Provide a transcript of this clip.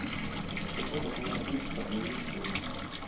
І што трэба было рабіць, каб яе не было?